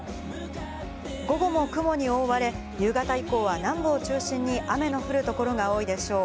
午後も雲に覆われ、夕方以降は南部を中心に雨の降る所が多いでしょう。